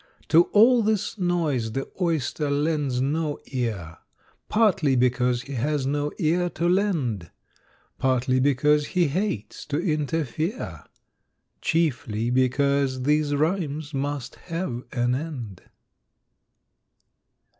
"= To all this noise the Oyster lends no ear, `Partly because he has no ear to lend, Partly because he hates to interfere, `Chiefly because these rhymes must have an end.